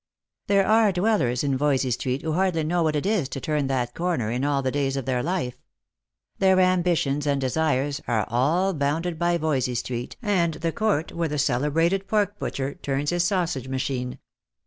There are dwellers in Voysey street who hardly know what it is to turn that corner in all the days of their life. Their ambitions and desires are all bounded by Voysey street, and the court where the celebrated pork putcher turns his sausage machine.